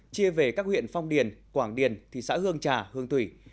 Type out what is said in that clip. chia về các huyện phong điền quảng điền thị xã hương trà hương thủy